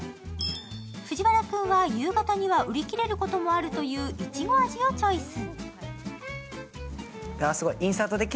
藤原君は、夕方には売り切れることもあるという、いちご味をチョイス。